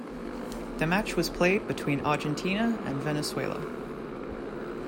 The match was played between Argentina and Venezuela.